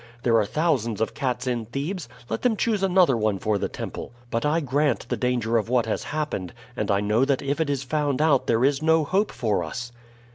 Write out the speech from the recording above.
There are thousands of cats in Thebes; let them choose another one for the temple. But I grant the danger of what has happened, and I know that if it is found out there is no hope for us."